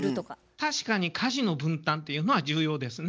確かに家事の分担というのは重要ですね。